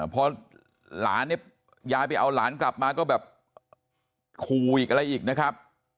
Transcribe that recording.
พอหลานเนี่ยยายไปเอาหลานกลับมาก็แบบขู่อีกอะไรอีกนะครับ